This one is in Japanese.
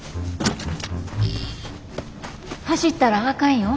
走ったらあかんよ。